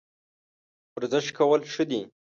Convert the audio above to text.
ورزش کول ښه دي